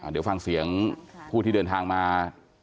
เดี๋ยวฟังเสียงผู้ที่เดินทางมา